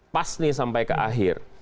pas nih sampai ke akhir